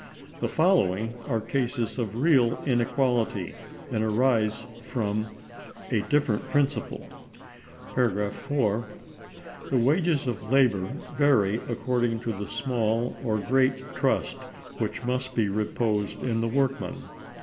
The following are cases of real inequality, and arise from a different principle. (4.) "The wages of labor vary according to the small or great trust which must be reposed in the workmen.